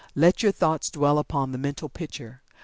Let your thoughts dwell upon the mental picture.